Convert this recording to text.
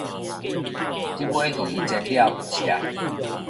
這尾魚仔煎了有赤